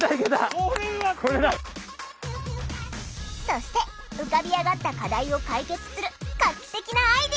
そして浮かび上がった課題を解決する画期的なアイデアを出し合った！